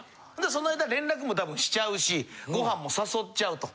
その間連絡も多分しちゃうしご飯も誘っちゃうと。